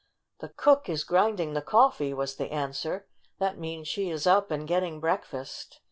"The cook is grinding the coffee," was the answer. "That means she is up and getting breakfast.